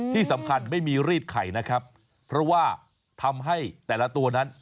ที่สำคัญไม่มีรีดไข่นะครับเพราะว่าทำให้แต่ละตัวนั้น